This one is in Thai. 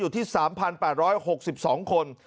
อยู่ที่๓๘๖๒คน